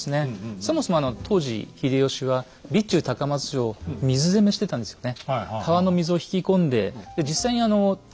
そもそも当時秀吉は備中高松城を水攻めしてたんですよね。